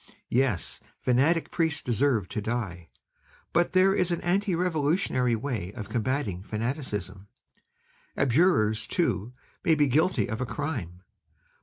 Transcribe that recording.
Yes, fanatic priests deserve to die; but there is an anti revolutionary way of combating fanaticism; abjurers, too, may be guilty of a crime.